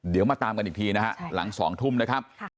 เดี๋ยวมาตามกันอีกทีนะฮะหลัง๒ทุ่มนะครับ